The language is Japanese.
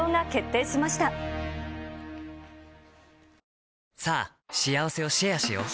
塩素はもう、さぁしあわせをシェアしよう。